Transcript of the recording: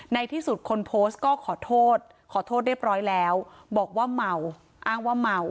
ในที่สุดคนโพสต์ก็ขอโทษขอโทษเรียบร้อยแล้วบอกว่าเมาอ้างว่าเมา